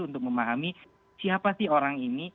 untuk memahami siapa sih orang ini